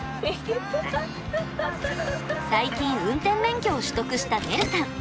最近運転免許を取得したねるさん。